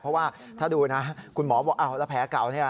เพราะว่าถ้าดูนะคุณหมอบอกอ้าวแล้วแผลเก่าเนี่ย